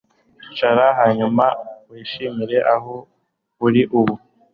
icara hanyuma wishimire aho uri ubu